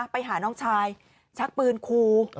ไปหาน้องชายชักปืนครู